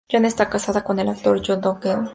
Jeon está casada con el actor Yoo Dong-geun.